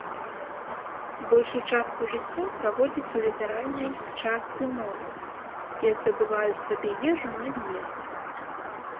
Большую частку жыцця праводзяць у літаральнай частцы мора, дзе здабываюць сабе ежу на дне.